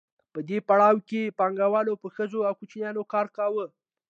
په دې پړاو کې پانګوالو په ښځو او کوچنیانو کار کاوه